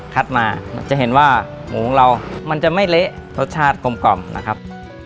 คัดมาจะเห็นว่าหมูของเรามันจะไม่เละรสชาติกลมนะครับ